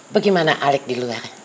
bagaimana alex di luar